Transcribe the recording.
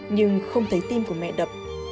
nhưng không thấy tim của mẹ đập